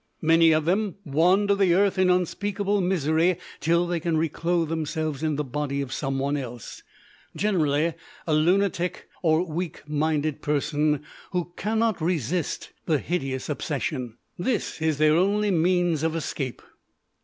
Many of them wander the earth in unspeakable misery till they can reclothe themselves in the body of someone else generally a lunatic, or weak minded person, who cannot resist the hideous obsession. This is their only means of escape.